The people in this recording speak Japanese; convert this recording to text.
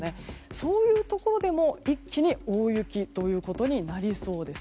そういうところでも一気に大雪となりそうです。